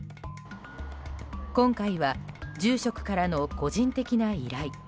今回は住職からの個人的な依頼。